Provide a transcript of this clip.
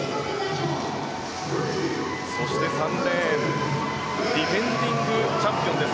そして３レーンディフェンディングチャンピオンです。